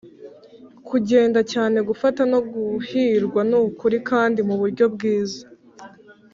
kugenda cyane, gufata no guhirwa nukuri, kandi muburyo bwiza